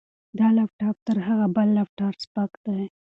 دا لپټاپ تر هغه بل لپټاپ سپک دی.